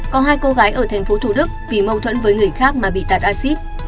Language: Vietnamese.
có hai cô gái ở thành phố thủ đức vì mâu thuẫn với người khác mà bị tạt acid